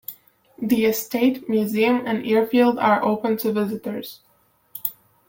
The estate, museum, and airfield are open to visitors.